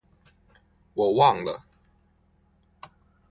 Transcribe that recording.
我忘了